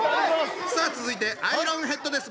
さあ続いてアイロンヘッドです。